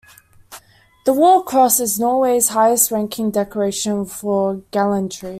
The "War Cross" is Norway's highest ranking decoration for gallantry.